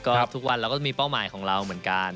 ก็ทุกวันเราก็จะมีเป้าหมายของเราเหมือนกัน